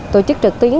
tổ chức trực tuyến